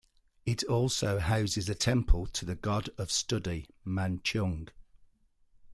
It also houses a temple to the god of study, Man Cheung.